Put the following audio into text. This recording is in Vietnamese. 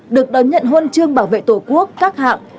được đón nhận huân chương bảo vệ tổ quốc các hạng